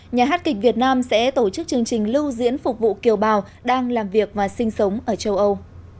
nhà hát kịch việt nam sẽ tổ chức chương trình lưu diễn phục vụ kiều bào đang làm việc và sinh sống ở châu âu